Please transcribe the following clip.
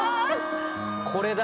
これだ。